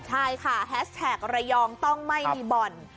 ใช่ค่ะแฮชแท็กระยองต้องไม่มีบ่อน